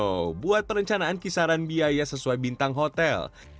saya sudah membuat perencanaan kisaran biaya sesuai bintang hotel